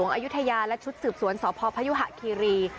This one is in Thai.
อายุทยาและชุดสืบสวนสพพยุหะคีรี